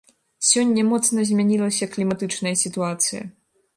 Сёння моцна змянілася кліматычная сітуацыя.